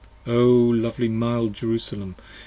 lovely mild Jerusalem!